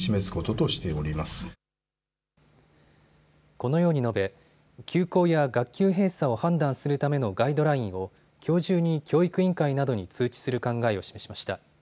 このように述べ休校や学級閉鎖を判断するためのガイドラインをきょう中に教育委員会などに通知する考えを示しました。